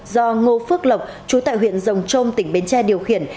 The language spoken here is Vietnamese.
do ngô phước lộc chú tại huyện rồng trôm tỉnh bến tre điều khiển